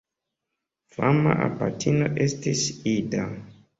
Fama abatino estis Ida.